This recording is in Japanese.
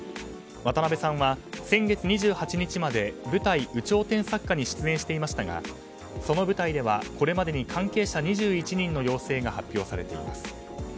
渡辺さんは先月２８日まで舞台「有頂天作家」に出演していましたがその舞台では、これまでに関係者２１人の陽性が発表されています。